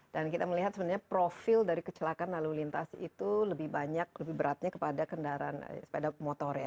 dan kita melihat sebenarnya profil dari kecelakaan lalu lintas itu lebih banyak lebih beratnya kepada kendaraan sepeda motor ya